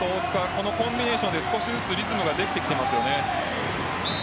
このコンビネーションで少しずつリズムができてきています。